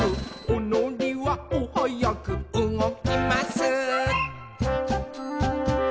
「おのりはおはやくうごきます」